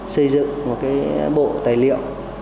xây dựng một bộ tài liệu